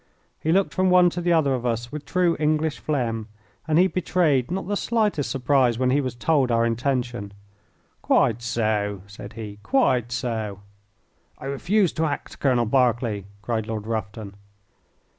He looked from one to the other of us with true English phlegm, and he betrayed not the slightest surprise when he was told our intention. "Quite so," said he; "quite so." "I refuse to act, Colonel Berkeley," cried Lord Rufton.